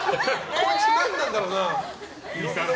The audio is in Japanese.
こいつ、何なんだろうな。